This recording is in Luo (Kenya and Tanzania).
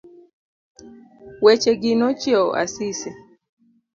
Wechegi nochiewo Asisi.